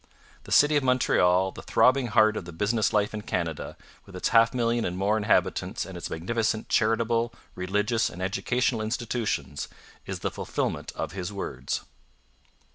The city of Montreal, the throbbing heart of the business life of Canada, with its half million and more inhabitants and its magnificent charitable, religious, and educational institutions, is the fulfilment of his words.